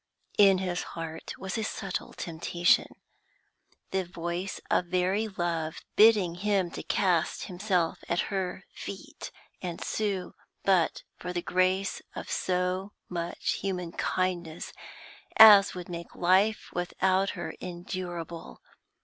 In his heart was a subtle temptation, the voice of very love bidding him cast himself at her feet and sue but for the grace of so much human kindness as would make life without her endurable.